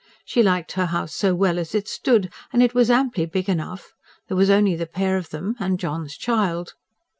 She liked her house so well as it stood; and it was amply big enough: there was only the pair of them... and John's child.